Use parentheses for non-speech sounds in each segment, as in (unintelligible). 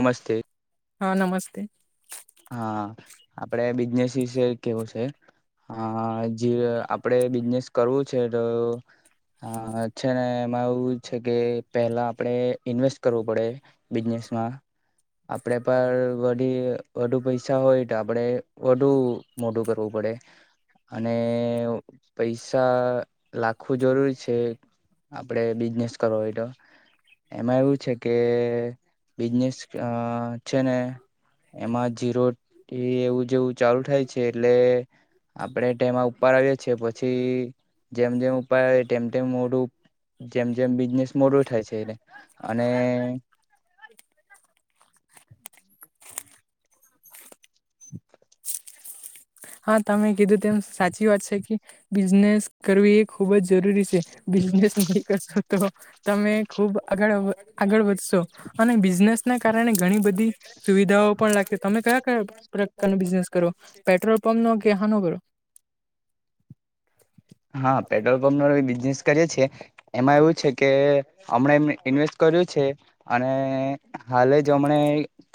નમસ્તે હા નમસ્તે હા આપડે બિઝનેસ વિશે કેવું છે હા જે આપડે બિઝનેસ કરવું છે તો હા છે ને એમાં એવું છે કે પેલા આપડે ઇન્વેસ્ટ કરવું પડે બિઝનેસ આ આપડે પર બધી વધુ પૈસા હોય તો આપડે વધુ મોટું કરવું પડે અને પૈસા લાખવું જરૂરી છે. આપડે બિઝનેસ કરવો હોય તો. એમાં એવું છે, કે બિઝનેસ અ છે ને એમાં જીરો એવું જેવું ચાલુ થાય છે, એટલે આપડે તેમાં ઉપર આવ્યા છે, પછી જેમ જેમ ઉપર આવે તેમ તેમ મોટું જેમ જેમ બિઝનેસ મોટો થાય છે, એટલે અને (inaudible) (inaudible) હા તમે કીધું તેમ સાચી વાત છે, કે બિઝનેસ કરવી એ ખુબ જ જરૂરી છે બિઝનેસ નહી કરશો તો તમે ખુબ આગળ આગળ વધશો અને બિઝનેસ ના કારણે ઘણી બધી સુવિધાઓ પણ લાગશે તમે કયા કયા પ્રકાર ન બિઝનેસ કરો? પેટ્રોલ પંપ નો કે હાનો બીઞ હા પેટ્રોલ પંપો બીજ નેસ કરી છીએ એમાં એવું છે, કે હમણા એ ઇન્વેસ્ટ કર્યું છે. અને હાલે જ હમણે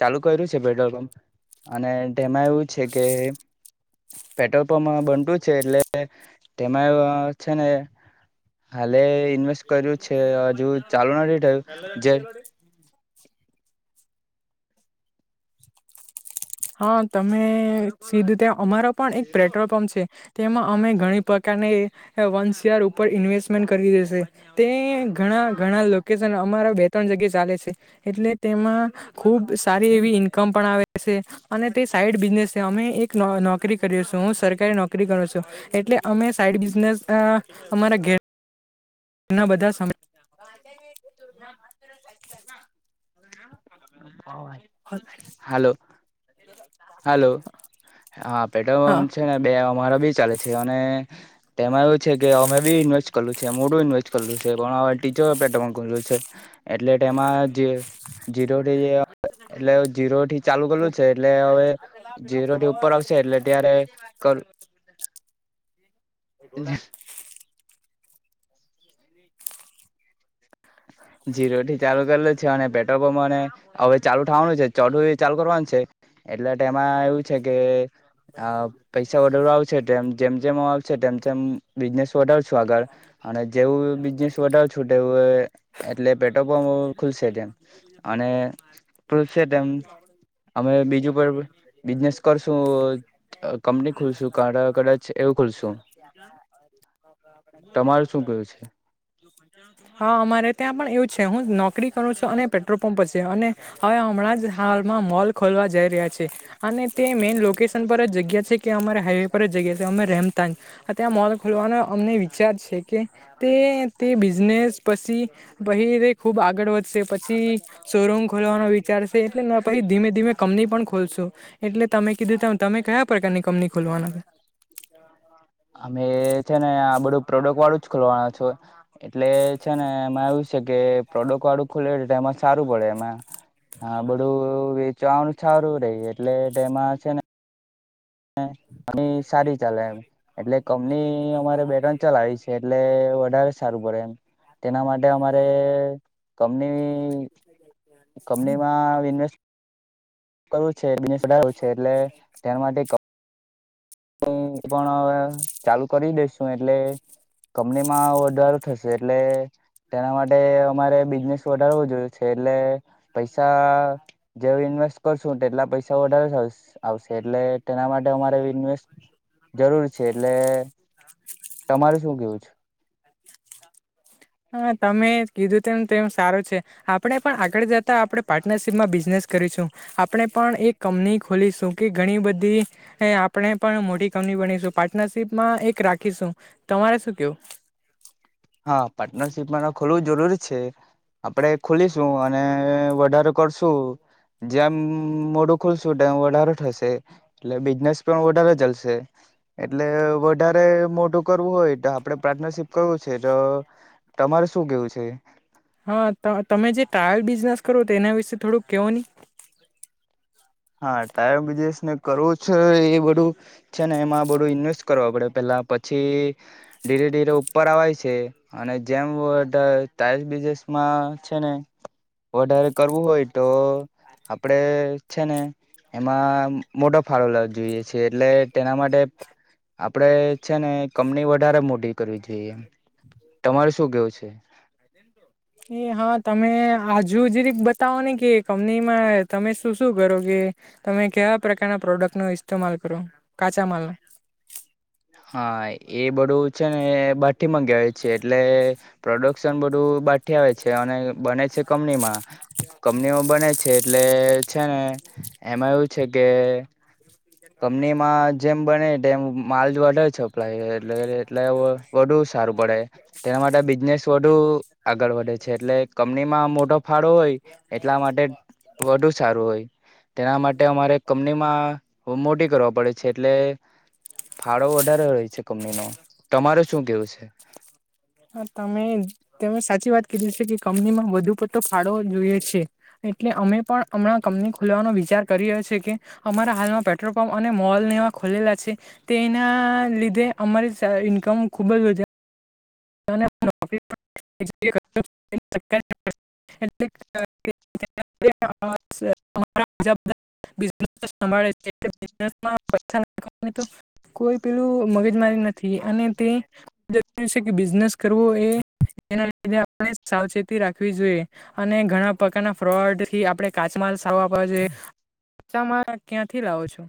ચાલુ કર્યું છે, પેટ્રોલ પંપ અને તેમાં એવું છે, કે પેટ્રો પણ મા બનતું છે એટલે તેમાં છે ને હાલે ઇન્વેસ્ટ કર્યું છે, હજુ ચાલુ નાથી થયુ જે હા તમે સીધું તં અમારો પણ એક પેટ્રોલ પંપ છે. તેમાં અમે ઘણી પ્રકારને વન શેયર ઉપર ઇન્વેસ્ટમેન્ટ કરી રેસે તે ઘણા ઘણા લોકેશન અમારા બે ત્રણ જગ્યા ચાલે છે, એટલે તેમાં ખુબ સારી એવી ઈન્કમ પણ આવે છે. અને તે સાઈડ બિઝનેસ છે, અમે એક નોકરી કરીયો છું, હું સરકારી નોકરી કર્યો છું, એટલે અમે સા ઈડ બિઝનેસ અમારા ઘે રના બધા સમય હાલો હલો. હા પેટ્રોલ હા પંપ છે ને બે અમારા બી ચાલે છે અને તેમાં એવું છે કે અમે બી વેસ્ટ કરલું છે મોડું ઇન્વેસ્ટ કરલું છે પણ ટીચું છે એટલે એમાં જે જીરો ર એટલે જીરો થી ચાલુ કરેલું છે એટલે હવે જીરો થી ઉપર આવશે એટલે ત્યારે બ એ ઘોડા (inaudible) જીરો થી ચાલુ કરલ છે અને પેટ્રોલપંપ અને હવે ચાલુ વાનું છે ચઢું ચાલુ કરવાનું છે એટલે એમાં એવું છે કે આ પૈસા વરવા આવશે તેમ જેમ જેમ આવશે તેમ તેમ બિઝનેસ વધર છું આગળ અને જેવું બિઝનેસ વધાવ છુંટે એવું એટલે પેટ્રોલ પંપ ખુલશે તેમ અને ખુલશે તેમ અમે બીજું પર બિઝનેસ કરશું કંપની ખુલશું ક કદાચ એવું ખુલશું તમારું શું કેવું છે (inaudible) હા અમારે ત્યાં પણ એવું છે હું નોકરી કરું છું અને પેટ્રોલ પંપ છે અને હવે આપણા જ હાલમાં મોલ ખોલવા જઈ રહ્યા છે અને તે મેઈન લોકેશન પર જ જગ્યા છે કે અમારે હાઈવે પર જગ્યા છે અમે રેમતાજ ત્યાં મોલ ખોલ પણ અમને વિચાર છે કે તે તે બિઝનેસ પછી પછ તે ખુબ આગળ વધશે પછી શોરૂમ ખોલવાનો વિચારશે એટલે પછી ધીમે ધીમે કંપની પણ ખોલશો એટલે તમે કીધું ત તમે કયા પ્રકારની કંપની ખોલવાના અમે છે ને આ બધું પ્રોડક્ટ વાળું જ ખોલવાનું છો. એટલે છે ને એમાં એવુ છે કે પ્રોડક્ટ વાળું ખોલે એમાં સારું પડે એમાં હા બધું વેચવાનું સારું રે એટલે તેમાં છે ને કંપની સારી ચાલે એમ એટલે કંપની અમારે બે‌ ત્રણ ચલાવી છે એટલે વધારે સારું પડે એમ તેના માટે અમારે કંપની કંપનીમાં ન્વેસ્ટ કરવું છે બનેડાવું છે એટલે ધ્યાના માટે (unintelligible) પણ હવે ચાલુ કરી દઈસું એટલે કંપનીમાં ઓર્ડર થશે એટલે તેના માટે અમારે બિઝનેસ વધારવો જોઈએ છે એટલે પૈસા જેવી ઇનવેસ્ટ કરશું એટલા પૈસા વધારે આવશે એટલે તેના માટે અમારે ઇન્વેસ્ટ જરૂર છે એટલે તમારું શું કેવું છે. હા તમે કીધું તેમ તેમ સારો છે આપણે પણ આગળ જતા આપણે પાર્ટનરશિપમાં બિઝનેસ આપણે પણ એક કંપની ખોલીશું કે ઘણી બધી હ આપણે પણ મોટી કંપની બનીશું પાર્ટનરશીપમાં એક રાખીશું, તમારે શું કેવું હા પાર્ટનરશીપ મા ખોલવું જરૂરી છે. છે આપડે ખુલીશું અને વધારો કરશું જેમ મોડું ખુલશું ટાઈમ વધારો થશે એટલે બિઝનેસ પણ વધારે ચાલશે એટલે વધારે મોટું કરવું હોય તો આપણે પાર્ટનરશીપ કરવું. છે તો તમારે શું કેવું છે હા તમે જે ટાયર બિઝનેસ કરો. તેના વિશે થોડું કેવો નિ હા ટાયર બિઝનેસને કરવું છે એ બધું છે ને એમાં બધું ઇન્વેસ્ટ કરવા પડે પેલા પછી ધીરે ધીરે ઉપર આવેય છે અને જેમ બીજ છેને વધારે કરવું હોય તો, આપડે છે ને, એમાં મોટો ફાળો લાવ જોઈએ છે એટલે તેના માટે આપડે છે ને, કમની વધારે મોટી કરવી જોઈએ. તમારે શું કેવું છે? એ હા તમે હજુ જરીક બતાવો કે કંપનીમાં તમે શું શું કરો કે તમે કેવા પ્રકારના પ્રોડક્ટ નું ઇસ્તેમાલ કરો, કાચા માલના? (unintelligible) (inaudible) હા એ બધું છે ને બાઠી મંગાવીએ છે એટલે પ્રોડક્શન બધું બા ઠી આવે છે અને બને છે કંપનીમાં. કંપનીમાં બને છે એટલે છે ને એમાં એવું છે કે, કંપનીમાં જેમ બને તેમ માલ જો (unintelligible) છપ્લાય એટલે એટલે વ વધુ સારું પડે તેના માટે બિઝનેસ વધુ આગળ વધે છે એટલે કંપનીમાં મોટો ફાળો હોય, એટલા માટે વધુ સારું હોય. તેના માટે અમારે કંપનીમાં મોટી કરવા પડે છે એટલે ફાળો વધારે હોય છે કંપનીનો. તમારે શું કેવું છે? (unintelligible) કીધું છે કે કંપનીમાં વધુ પતો ફાળવો જોઈએ છે એટલે અમે પણ હમણાં કંપની ખોલવાનો વિચાર કરી રહ્યો છે કે, અમારા હાલમાં પેટ્રોલ પંપ અને મોલ ને એવા ખોલેલા છે, તેના લિ ધે અમારી સે ઇન્કમ ખૂબ જ વધા (unintelligible) (unintelligible) બિઝનેસ સંભાળે છે (unintelligible) કોઈ પેલું મગજ મારી નથી અને તે જોયું છે કે બિઝનેસ કરવો એ એના લીધે આપણે સાવચેતી રાખવી જોઈએ અને ઘણા પ્રકારના ફ્રોડ થી આપણે કાચમાં (unintelligible) (inaudible) ચામાં ક્યાંથી લાવો છો?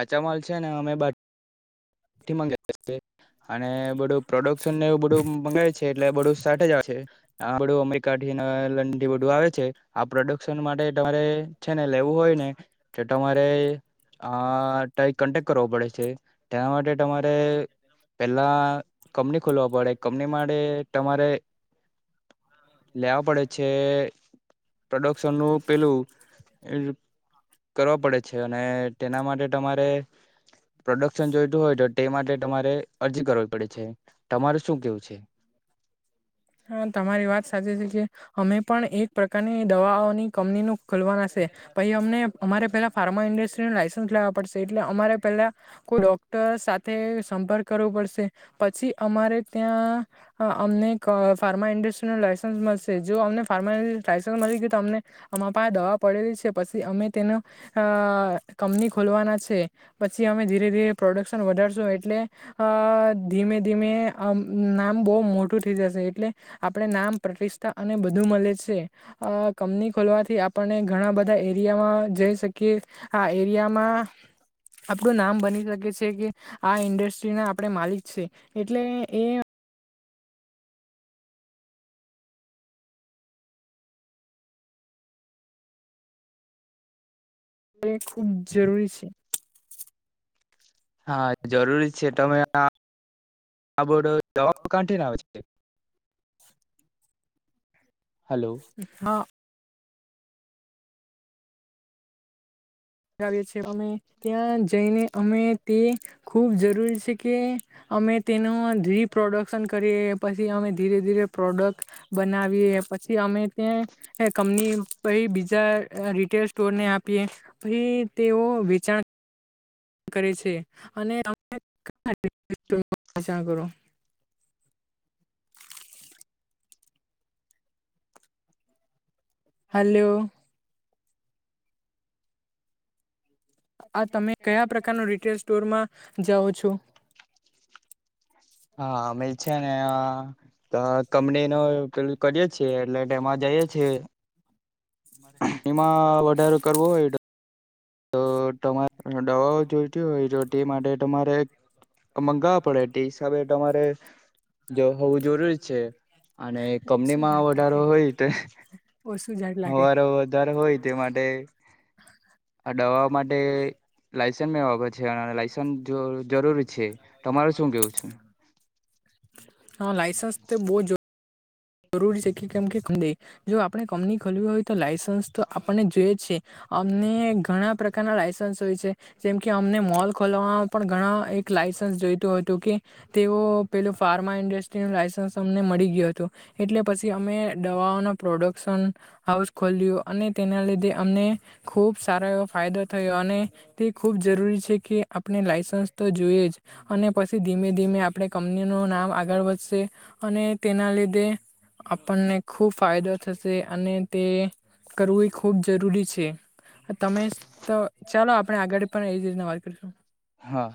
કાચા માલ છેને અમે બા થી મગાવી (unintelligible) અને બધું પ્રોડક્શનને એવું બધું મંગાવે છે એટલે બધું સાથે જ આવે છે. આ બધું અમેરિકાથીને લંડનથી બધું આવે છે. આ પ્રોડક્શન માટે તમારે છેને લેવું હોય ને, તો તમારે અ તઈ કન્ટેક્ટ કરવો પડે છે તેના માટે તમારે પેલ્લા કંપની ખોલવા પડે. કંપની માટે તમારે લેવા પડે છે પ્રોડક્શનનું પેલું કરવા પડે છે અને તેના માટે તમારે પ્રોડક્શન જોઈતું હોય તો તે માટે તમારે અરજી કરવી પડે છે. તમારે શું કેવું છે? હા, તમારી વાત સાચી છે કે અમે પણ એક પ્રકારની દવાઓની કંપનીનું ખોલવાના સે, પહી અમને અમારે પેલા ફાર્મા ઇન્ડસ્ટ્રીનું લાયસન્સ લેવા પડશે એટલે અમારે પેલ્લા કોઈ ડોક્ટર સાથે સંપર્ક કરવો પડશે પછી અમારે ત્યાં અમને ખ ફાર્મા ઇન્ડસ્ટ્રીનું લાયસન્સ મલશે. જો અમને ફાર્મા લાઇસન્સ મલી ગયું તો અમને અમારા પાહે દવા પડેલી છે પછી અમે તેનો અ કંપની ખોલવાના છે પ છી અમે ધીરે ધીરે પ્રોડક્શન વધારશું એટલે અ ધીમે ધીમે અમ નામ બો બો મોટું થેય જશે એટલે આપરે નામ, પ્રતિષ્ઠા અને બધું મલે છે. અ કંપની ખોલ વાથી આપણને ઘણાં બધાં એરિયામાં જઈ શકીએ આ એરિયામાં આપરું નામ બની શકે છેકે આ ઇન્ડસ્ટ્રીના આપડે માલિક છે એટલે એ એ ખૂબ જરૂરી છે. હા, જરૂરી જ છે તમે આ આ બધો (unintelligible) કાથી લાવે છે? હલો હ. લાવીએ છે અમે ત્યાં જઈને અમે તે ખૂબ જરૂરી છે કે અમે તેનું રીપ્રોડક્શન કરીએ, પછી અમે ધીરે ધીરે પ્રોડક્ટ બનાવીએ. પછી અમે તે કંપની પહી બીજા રિટેલ સ્ટોરને આપીએ પહી તેઓ વેચાણ કરે છે, અને (unintelligible) કરો હાલો. આ તમે કયા પ્રકારનું રિટેલ સ્ટોરમાં જાઓ છો? હા, અમે છેને અ તો કંપનીનું પેલું કરીએ છીએ એટલે તેમાં જઈએ છે. કરવો હોય (inaudible) તો તમારે દવાઓ જોઈતી હોય તો તે માટે તમારે મંગાવવા પડે તે હિસાબે તમારે જો હોવું જરૂરી છે, અને કંપનીમાં વધારો હોય તો ઓછું ઝાડ લાગે હવારો વધારે હોય તે માટે આ દવા માટે લાયસન મે (unintelligible) લાયસન જો જરૂરી છે, તમારે શું કેવું છે? હા, લાઈસન્સ તે બો જ રૂરી છે કે કેમ કે જો આપણે કંપની ખોલવી હોય તો લાઈસન્સ તો આપણને જોઈએ જ છે. અમને ઘણાં પ્રકારનાં લાયસન્સ હોય છે, જેમ કે અમને મોલ ખોલવાવામાં પણ ઘણા એક લાય લાયસન્સ જોઈતું હતું કે તેઓ પેલુ ફાર્મા ઇન્ડસ્ટ્રીનું લાયસન્સ અમને મળી ગયું હતું. એટલે પછી અમે દવાઓનો પ્રોડક્શન હાઉસ ખોલ્યું અને તેના લીધે અમને ખૂબ સારો એવો ફાયદો થયો અને તે ખૂબ જરૂરી છે, કે આપણે લાયસ સ જુઈએ જ અને પછી ધીમે ધીમે આપણે કંપનીનું નામ આગળ વધશે અને તેના લીધ ધે આપણને ખૂબ ફાયદો થશે અને તે કરવુ ઈ ખૂબ જરૂરી છે. તમે તો ચાલો આપણે આગળ પણ એજ રીતના વાત કરીશું. હા.